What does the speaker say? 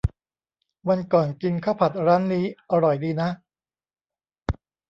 วันก่อนกินข้าวผัดร้านนี้ อร่อยดีนะ